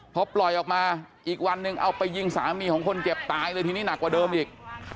พอปล่อยออกมาอีกวันนึงเอาไปยิงสามีของคนเจ็บตายเลยทีนี้หนักกว่าเดิมอีก